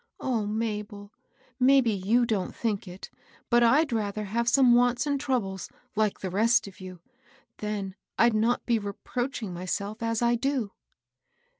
O Mabel I maybe you don't think it, but I'd rather have some wants and troubles, like the rest of you ; then Fd not be reproaching myself as I do."